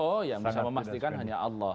oh yang bisa memastikan hanya allah